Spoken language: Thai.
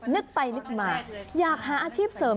นึกไปนึกมาอยากหาอาชีพเสริม